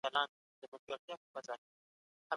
د مجرمینو څخه د ژوند حق اخیستل کېدای سي.